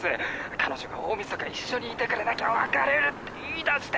彼女が大晦日に一緒にいてくれなきゃ別れるって言い出して。